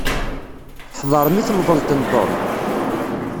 Tḥeḍrem i temḍelt n Tom?